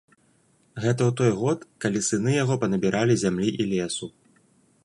Гэта ў той год, калі сыны яго панабіралі зямлі і лесу.